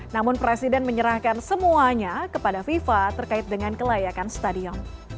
namun presiden menyerahkan semuanya kepada fifa terkait dengan kelayakan stadion